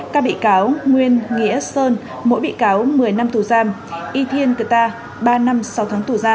các bị cáo nguyên nghĩa sơn mỗi bị cáo một mươi năm tù giam y thiên cơ ta ba năm sáu tháng tù giam y quen bia hai năm sáu tháng tù treo